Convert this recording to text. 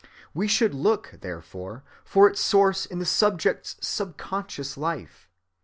We should look, therefore, for its source in the Subject's subconscious life.